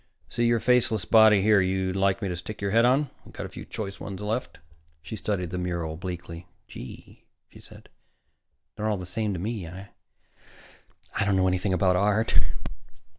See any faceless body here you'd like me to stick your head on? We've got a few choice ones left." She studied the mural bleakly. "Gee," she said, "they're all the same to me. I don't know anything about art."